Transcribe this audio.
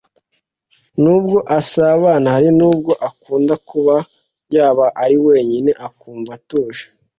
nubwo asabana hari nubwo akunda kuba yaba ari wenyine akumva atuje